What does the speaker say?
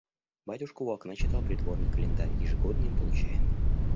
Батюшка у окна читал Придворный календарь, ежегодно им получаемый.